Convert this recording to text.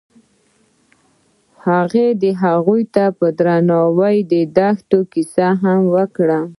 هغه هغې ته په درناوي د دښته کیسه هم وکړه.